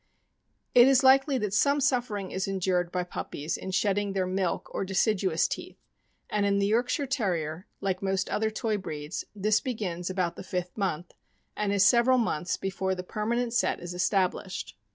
It is likely that some suffering is endured by puppies in shedding their milk, or deciduous teeth; and in the York shire Terrier, like most other toy breeds, this begins about the fifth month, and it is several months before the per manent set is established.